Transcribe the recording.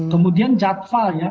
kemudian jadwal ya